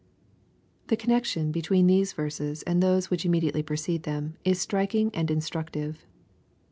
The connexion between these verses and those which immediately precede them, is striking and instructive.